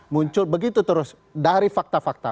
muncul begitu terus dari fakta fakta